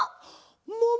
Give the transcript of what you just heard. もも！